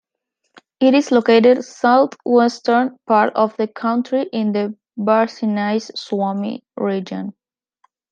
It is located in southwestern part of the country in the Varsinais-Suomi region.